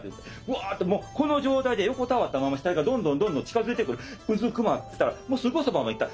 ワーってもうこの状態で横たわったまま死体がどんどん近づいてくるうずくまってたらすごいそばまで来た。